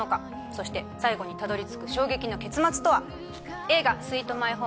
そして最後にたどり着く衝撃の結末とは？